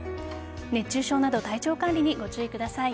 熱中症など体調管理にご注意ください。